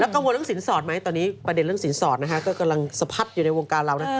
กังวลเรื่องสินสอดไหมตอนนี้ประเด็นเรื่องสินสอดนะฮะก็กำลังสะพัดอยู่ในวงการเรานะ